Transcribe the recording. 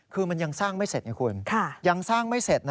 คือมันยังสร้างไม่เสร็จไงคุณ